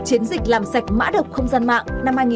chiến dịch làm sạch mã độc không gian mạng